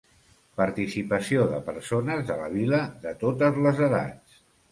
Participació de persones de la vila de totes les edats.